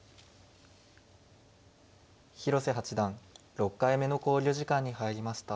広瀬八段６回目の考慮時間に入りました。